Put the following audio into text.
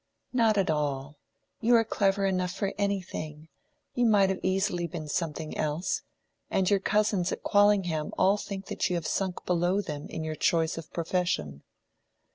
"Not at all; you are clever enough for anything: you might easily have been something else. And your cousins at Quallingham all think that you have sunk below them in your choice of a profession."